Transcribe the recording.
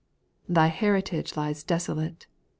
Thy heritage lies desolate.